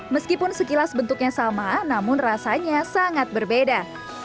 meskipun sekilas bentuknya sama namun rasanya sangat berbeda